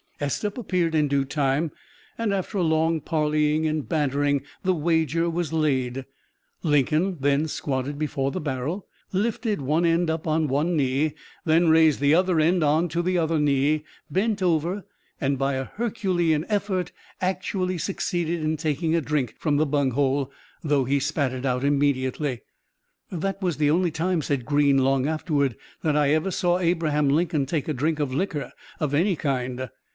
Estep appeared in due time, and after long parleying and bantering the wager was laid. Lincoln then squatted before the barrel, lifted one end up on one knee, then raised the other end on to the other knee, bent over, and by a Herculean effort, actually succeeded in taking a drink from the bunghole though he spat it out immediately. "That was the only time," said Greene long afterward, "that I ever saw Abraham Lincoln take a drink of liquor of any kind."